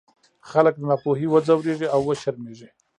خلک له ناپوهۍ وځورېږي او وشرمېږي.